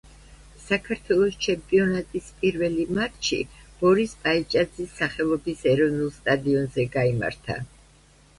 საქართველოს ჩემპიონატის პირველი მატჩი ბორის პაიჭაძის სახელობის ეროვნულ სტადიონზე გაიმართა.